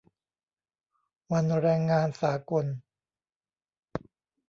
วันแรงงานสากล